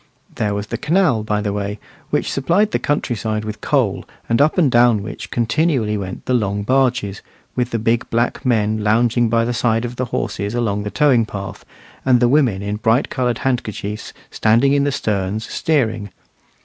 There was the canal, by the way, which supplied the country side with coal, and up and down which continually went the long barges, with the big black men lounging by the side of the horses along the towing path, and the women in bright coloured handkerchiefs standing in the sterns steering.